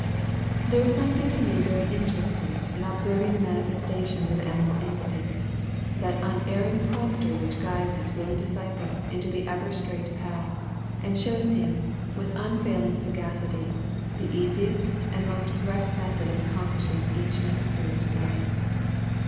There is something to me very interesting in observing the manifestations of animal instinct that unerring prompter which guides its willing disciple into the ever straight path, and shows him, with unfailing sagacity, the easiest and most correct method of accomplishing each necessary design.